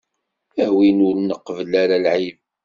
A wid ur nqebbel ara lɛib.